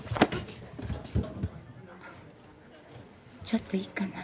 ちょっといいかな？